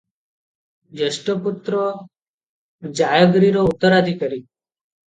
ଜ୍ୟେଷ୍ଠପୁତ୍ର ଜାୟଗିରିର ଉତ୍ତରାଧିକାରୀ ।